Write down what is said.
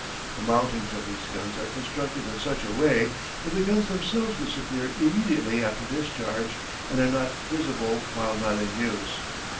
The mountings of these guns are constructed in such a way that the guns themselves disappear immediately after discharge and are not visible while not in use.